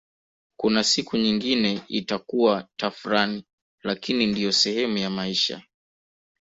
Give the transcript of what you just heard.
Kuna siku nyingine itakuwa tafrani lakini ndiyo sehemu ya maisha